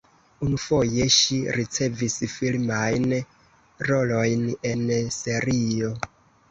Unufoje ŝi ricevis filmajn rolojn en serio.